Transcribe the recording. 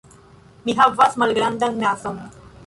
Mi havas malgrandan nazon.